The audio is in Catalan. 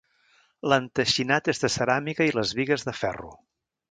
L'enteixinat és de ceràmica i les bigues de ferro.